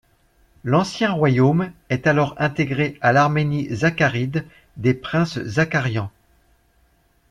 L'ancien royaume est alors intégré à l'Arménie zakaride des princes Zakarian.